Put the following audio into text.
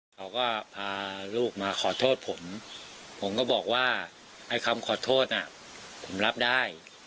เขาก็พาลูกมาขอโทษผมผมก็บอกว่าไอ้คำขอโทษน่ะผมรับได้